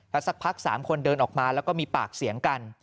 แล้วสักพัก๓คนเดินออกมาแล้วก็มีปากเสียงกัน